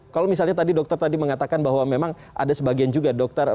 kalau misalnya tadi dokter tadi mengatakan bahwa memang ada sebagian juga dokter